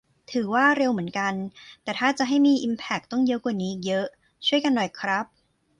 ถือว่า เร็วเหมือนกัน แต่ถ้าจะให้มีอิมแพคต้องเยอะกว่านี้อีกเยอะ ช่วยกันหน่อยครับ